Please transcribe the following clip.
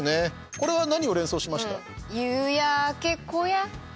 これは何を連想しました？